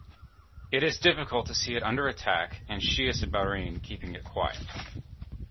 It is difficult to see it under attack and Shias in Bahrain keeping quiet.